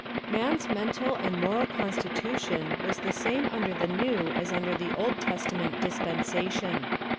Man's mental and moral constitution was the same under the New as under the Old Testament dispensation.